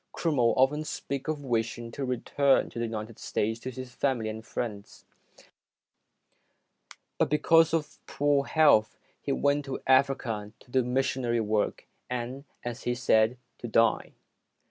Crummell often spoke of wishing to return to the United States to see his family and friends, but because of poor health, he went to Africa to do missionary work and, as he said, to die.